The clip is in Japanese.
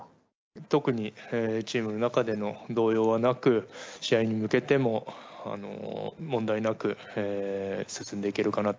特に、チームの中での動揺はなく、試合に向けても問題なく進んでいけるかなと。